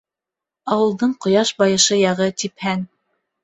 Ауылдың ҡояш байышы яғы типһән.